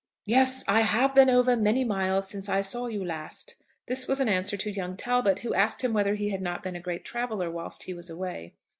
"Yes, I have been over very many miles since I saw you last." This was an answer to young Talbot, who asked him whether he had not been a great traveller whilst he was away.